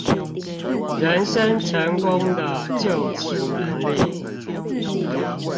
人生成功的究極能力